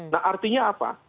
nah artinya apa